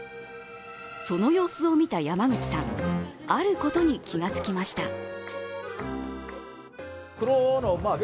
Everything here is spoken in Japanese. その様子を見た山口さん、あることに気がつきました。